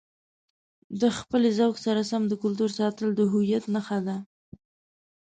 د خپلې ذوق سره سم د کلتور ساتل د هویت نښه ده.